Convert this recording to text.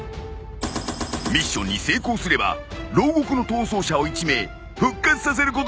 ミッションに成功すれば牢獄の逃走者を１名復活させることができる。